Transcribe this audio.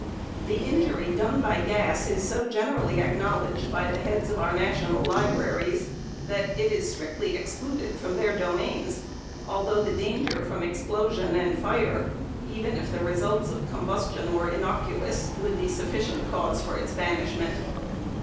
The injury done by gas is so generally acknowledged by the heads of our national libraries, that it is strictly excluded from their domains, although the danger from explosion and fire, even if the results of combustion were innocuous, would be sufficient cause for its banishment.